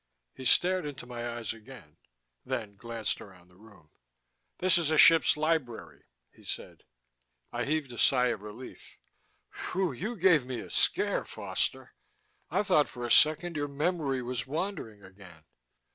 He stared into my eyes again, then glanced around the room. "This is a ship's library," he said. I heaved a sigh of relief. "You gave me a scare, Foster. I thought for a second your memory was wandering again."